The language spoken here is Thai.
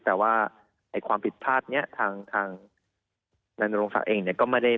แต่การเจ้งมาว่าคืออะไร